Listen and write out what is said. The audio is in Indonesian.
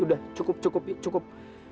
udah cukup cukup pi cukup